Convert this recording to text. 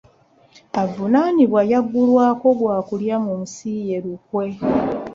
Avunaanibwa yaggulwako gwa kulya mu nsi ye lukwe.